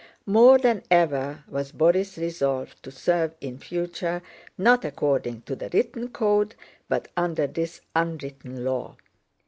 More than ever was Borís resolved to serve in future not according to the written code, but under this unwritten law.